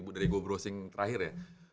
dari gue browsing terakhir ya